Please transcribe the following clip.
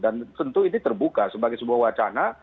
dan tentu ini terbuka sebagai sebuah wacana